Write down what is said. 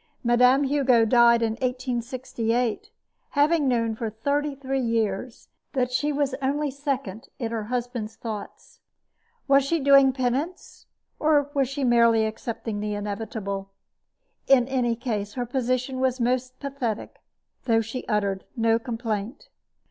Mme. Hugo died in 1868, having known for thirty three years that she was only second in her husband's thoughts. Was she doing penance, or was she merely accepting the inevitable? In any case, her position was most pathetic, though she uttered no complaint.